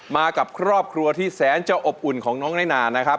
มากับครอบครัวที่แสนจะอบอุ่นของน้องน้อยนานะครับ